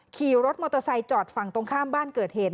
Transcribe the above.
ขี่รถมอเตอร์ไซค์จอดฝั่งตรงข้ามบ้านเกิดเหตุ